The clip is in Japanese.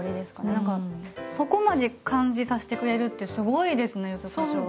何かそこまで感じさせてくれるってすごいですね柚子こしょう。